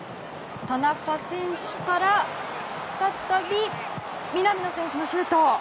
田中選手から再び南野選手のシュート。